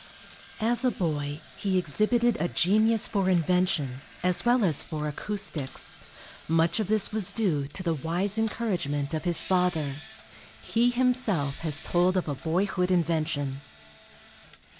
As a boy he exhibited a genius for invention, as well as for acoustics. Much of this was duo to the wise encouragement of his father. He himself has told of a boyhood invention.